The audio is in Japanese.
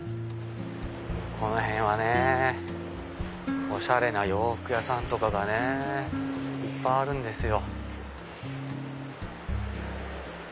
この辺はねおしゃれな洋服屋さんとかがねいっぱいあるんですよ。